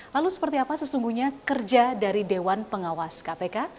lalu seperti apa sesungguhnya kerja dari dewan pengawas kpk